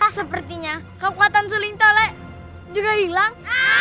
sepertinya kekuatan suling tolek juga hilang